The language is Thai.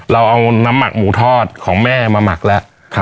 เราเอาน้ำหมักหมูทอดของแม่มาหมักแล้ว